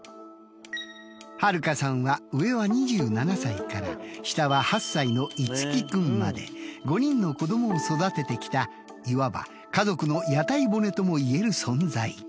春香さんは上は２７歳から下は８歳の樹君まで５人の子どもを育ててきたいわば家族の屋台骨ともいえる存在。